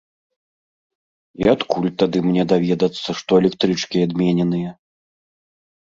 І адкуль тады мне даведацца, што электрычкі адмененыя?